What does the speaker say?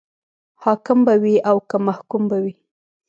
حاکم به وي او که محکوم به وي.